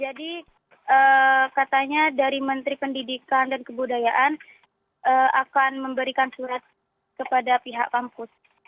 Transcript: jadi hmm katanya dari menteri pendidikan dan kebudayaan hmm akan memberikan surat kepada pihak kampus